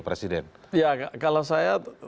presiden ya kalau saya